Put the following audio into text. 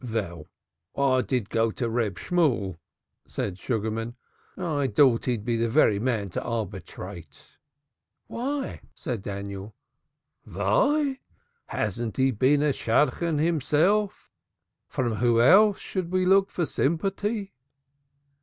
"Vell, I did go to Reb Shemuel," said Sugarman "I dought he'd be the very man to arbitrate." "Why?" asked Daniel. "Vy? Hasn't he been a Shadchan himself? From who else shall we look for sympaty?"